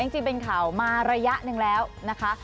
จริงเป็นข่าวมาระยะหนึ่งแล้วนะคะ